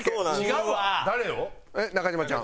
えっ中島ちゃん。